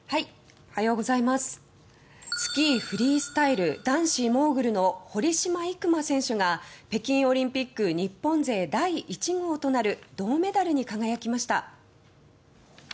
スキーフリースタイル男子モーグルの堀島行真選手が北京オリンピック日本勢メダル第１号となる銅メダルに輝きました。